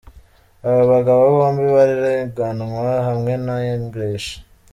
Aba bagabo bombi barareganwa hamwe na Eng.